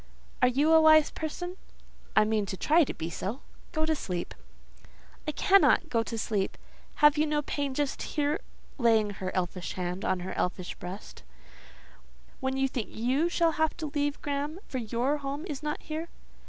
"Are you a wise person?" "I mean to try to be so. Go to sleep." "I cannot go to sleep. Have you no pain just here" (laying her elfish hand on her elfish breast,) "when you think you shall have to leave Graham; for your home is not here?"